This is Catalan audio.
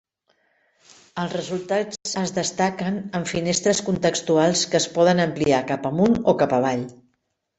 Els resultats es destaquen en finestres contextuals que es poden ampliar cap amunt o cap avall.